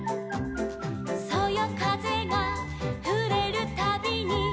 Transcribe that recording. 「そよかぜがふれるたびに」